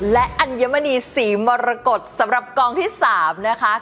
และอัญมณีศรีมรกฏสำหรับกองที่๓นะคะ